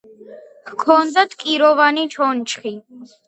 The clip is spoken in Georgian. ჰქონდათ კიროვანი ჩონჩხი.